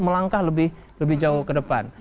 melangkah lebih jauh ke depan